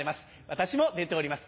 私も出ております